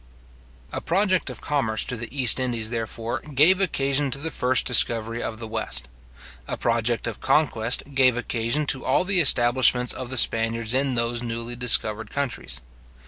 A project of commerce to the East Indies, therefore, gave occasion to the first discovery of the West. A project of conquest gave occasion to all the establishments of the Spaniards in those newly discovered countries.